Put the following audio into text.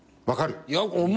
分かる？